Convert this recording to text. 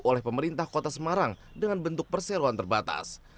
oleh pemerintah kota semarang dengan bentuk perseroan terbatas